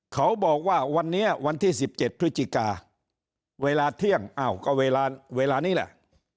เขาบอกว่าวันนี้วันที่๑๗พฤศจิกาเวลาเที่ยงอ้าวก็เวลานี้แหละ